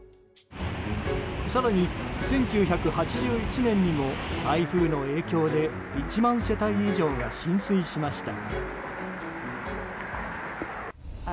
更に１９８１年にも台風の影響で１万世帯以上が浸水しました。